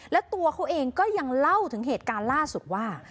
แล้วตัวเขาเองก็ยังเล่าถึงเหตุการณ์ล่าสุดว่า